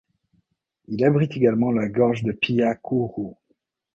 Il abrite également la gorge de Pyhakuru.